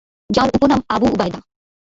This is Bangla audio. যাঁর উপনাম আবু উবায়দা।